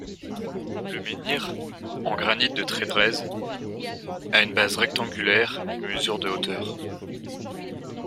Le menhir, en granite de Trédrez, a une base rectangulaire et mesure de hauteur.